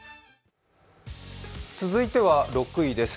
続いては６位です。